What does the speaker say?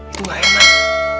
itu gak enak